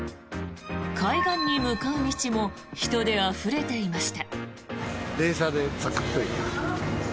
海岸に向かう道も人であふれていました。